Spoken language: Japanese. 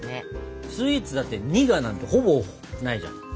スイーツだって「苦」なんてほぼないじゃん。